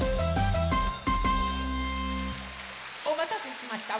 おまたせしました。